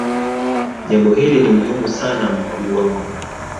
jambo hili ni muhimu sana mkuu wangu